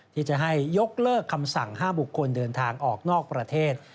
ที่จะให้ยกเลิกคำสั่งห้ามบุคคลเดินทางออกนอกประเทศ